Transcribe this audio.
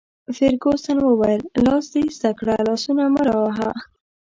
فرګوسن وویل: لاس دي ایسته کړه، لاسونه مه راوهه.